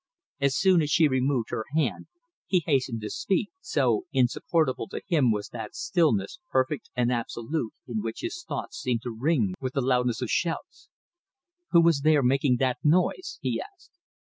As soon as she removed her hand he hastened to speak, so insupportable to him was that stillness perfect and absolute in which his thoughts seemed to ring with the loudness of shouts. "Who was there making that noise?" he asked.